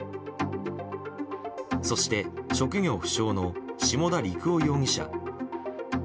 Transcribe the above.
そして職業不詳の下田陸朗容疑者。